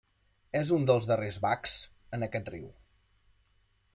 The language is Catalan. És uns dels darreres bacs en aquest riu.